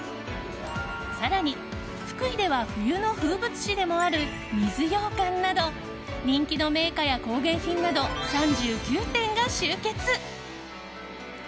更に福井では冬の風物詩でもある水ようかんなど人気の銘菓や工芸品など３９店が集結。